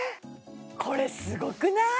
これすごくない？